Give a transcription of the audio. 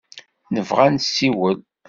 Nebɣa ad nessiwel.